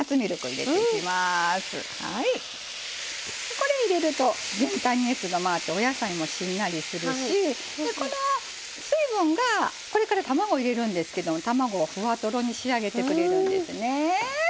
これ入れると全体に熱が回ってお野菜もしんなりするしこの水分がこれから卵入れるんですけど卵をふわとろに仕上げてくれるんですね。